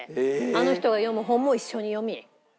あの人が読む本も一緒に読み。